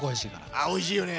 あおいしいよね。